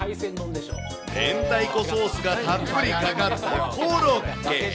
明太子ソースがたっぷりかかったコロッケ。